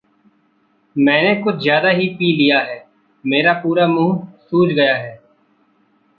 मैंने कुछ ज़्यादा ही पी लिया है। मेरा पूरा मूँह सूज गया है!